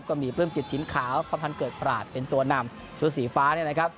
ก็มีเปลื้มจิตถิ่นขาวความทันเกิดประหลาดเป็นตัวนำชุดสีฟ้า